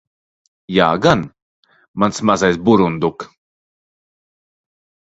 Jā gan, mans mazais burunduk.